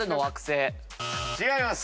違います。